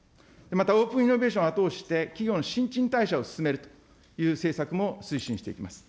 またオープンイノベーションを後押しして、企業の新陳代謝を進めるという政策も推進していきます。